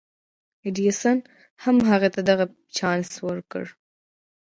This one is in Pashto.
ايډېسن هم هغه ته دغه چانس ورکړ.